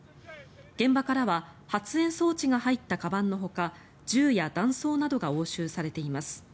現場からは発煙装置が入ったかばんのほか銃や弾倉などが押収されています。